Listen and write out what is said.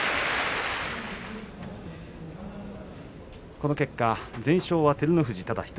この結果、全勝は照ノ富士ただ１人。